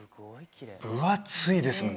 分厚いですもん